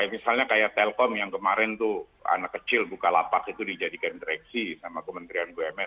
misalnya kayak telkom yang kemarin tuh anak kecil bukalapak itu dijadikan direksi sama kementerian bumn